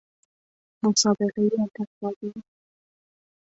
مسابقه انتخابی